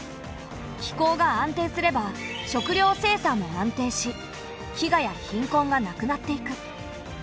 気候が安定すれば食糧生産も安定し飢餓や貧困がなくなっていく。